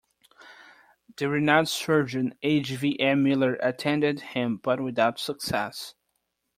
The renowned surgeon H. V. M. Miller attended him, but without success.